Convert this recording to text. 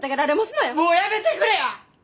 もうやめてくれや！